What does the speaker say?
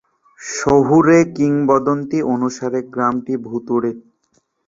শহুরে কিংবদন্তি অনুসারে, গ্রামটি ভুতুড়ে।